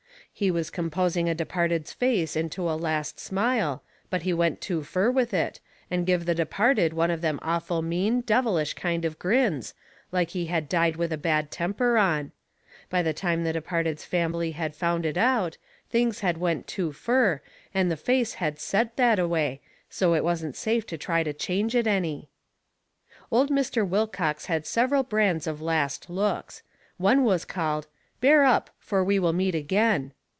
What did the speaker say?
He was composing a departed's face into a last smile, but he went too fur with it, and give the departed one of them awful mean, devilish kind of grins, like he had died with a bad temper on. By the time the departed's fambly had found it out, things had went too fur, and the face had set that a way, so it wasn't safe to try to change it any. Old Mr. Wilcox had several brands of last looks. One was called: "Bear Up, for We Will Meet Again."